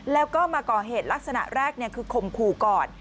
แล้วก็มาก่อเหตุลักษณะแรกคือข่มขู่ก่อน